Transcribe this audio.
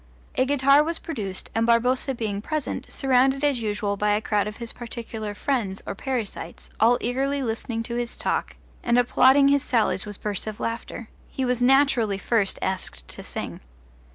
A guitar was produced, and Barboza being present, surrounded as usual by a crowd of his particular friends or parasites, all eagerly listening to his talk and applauding his sallies with bursts of laughter, he was naturally first asked to sing.